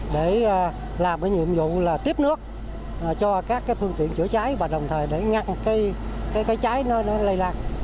để làm nhiệm vụ tiếp nước cho các phương tiện chữa cháy và đồng thời để ngăn cháy lây lạc